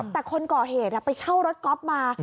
แต่คนก่อเหตุไปเช่ารถก๊อฟมา